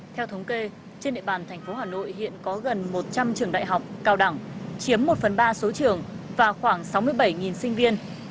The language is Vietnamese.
theo thống kê trên địa bàn thành phố hà nội hiện có gần một trăm linh trường đại học cao đẳng chiếm một phần ba số trường và khoảng sáu mươi bảy sinh viên